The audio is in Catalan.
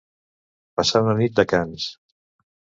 Passar una nit de cans.